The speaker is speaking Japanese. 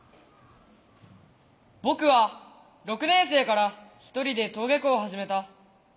僕は６年生から一人で登下校を始めた。